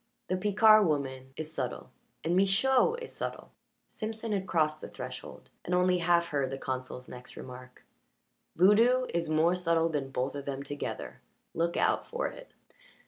The Picard woman is subtle, and Michaud is subtle." Simpson had crossed the threshold, and only half heard the consul's next remark. "Voodoo is more subtle than both of them together. Look out for it."